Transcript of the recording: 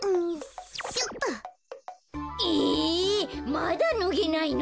まだぬげないの？